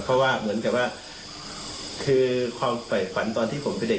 เพราะว่าเหมือนกับว่าคือความฝ่ายฝันตอนที่ผมเป็นเด็ก